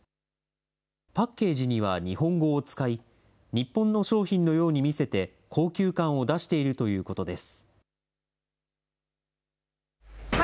パッケージには日本語を使い、日本の商品のように見せて、高級感を出しているということです。